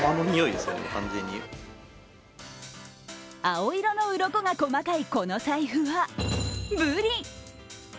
青色のうろこが細かいこの財布はブリ。